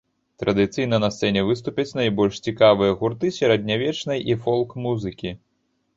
Традыцыйна на сцэне выступяць найбольш цікавыя гурты сярэднявечнай і фолк-музыкі.